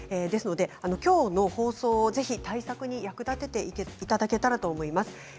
きょうの放送を見てぜひ対策に役立てていただけたらと思います。